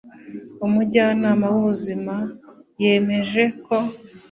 umujyanama w'ubuzima yemeje ko